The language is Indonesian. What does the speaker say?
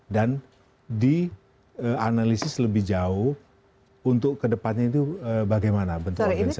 dan dianalisis lebih jauh untuk kedepannya itu bagaimana bentuk organisasi